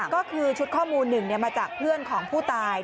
ก็คือชุดข้อมูลหนึ่งมาจากเพื่อนของผู้ตาย